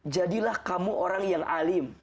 jadilah kamu orang yang alim